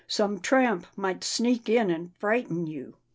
Some tramp might sneak in and frighten you."